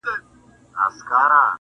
بحثونه زياتېږي هره ورځ دلته تل,